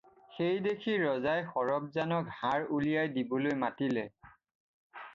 সেইদেখি ৰজাই সৰব্জানক হাৰ উলিয়াই দিবলৈ মাতিলে।